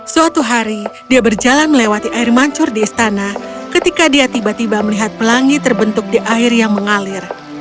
suatu hari dia berjalan melewati air mancur di istana ketika dia tiba tiba melihat pelangi terbentuk di air yang mengalir